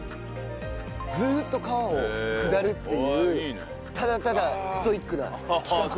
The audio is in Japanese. ずーっと川を下るっていうただただストイックな企画をやってたのよ。